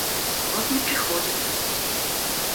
Вот не приходят.